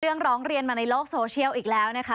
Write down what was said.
ร้องเรียนมาในโลกโซเชียลอีกแล้วนะคะ